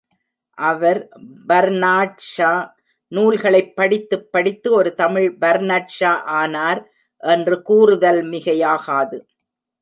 அவர் Bernard Shaw நூல்களைப் படித்துப் படித்து ஒரு தமிழ் பர்னாட்ஷா ஆனார் என்று கூறுதல் மிகையாகாது.